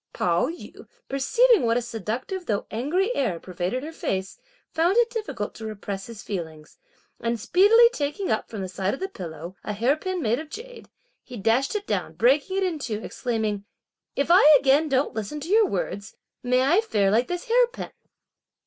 Pao yü perceiving what a seductive though angry air pervaded her face found it difficult to repress his feelings, and speedily taking up, from the side of the pillow, a hair pin made of jade, he dashed it down breaking it into two exclaiming: "If I again don't listen to your words, may I fare like this hair pin."